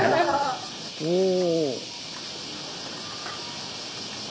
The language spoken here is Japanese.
おお。